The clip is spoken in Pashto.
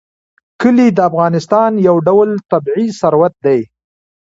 کلي د افغانستان یو ډول طبعي ثروت دی.